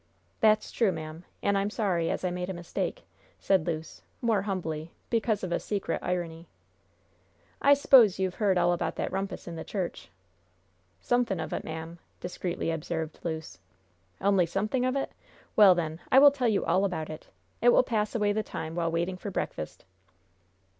'" "That's true, ma'am, an' I'm sorry as I made a mistake," said Luce, more humbly, because of a secret irony. "I s'pose you've heard all about that rumpus in the church?" "Somefin' of it, ma'am," discreetly observed Luce. "Only something of it? Well, then, I will tell you all about it. It will pass away the time while waiting for breakfast."